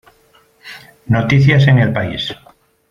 Noticias en El País